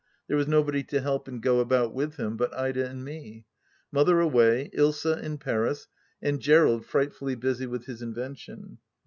There was nobody to help and go about with him but Ida and me. Mother away, Ilsa in Paris, and Gerald frightfully busy with his invention.